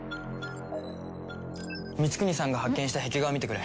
ミツクニさんが発見した壁画を見てくれ。